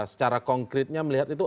secara konkretnya melihat itu